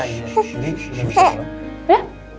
ini udah bisa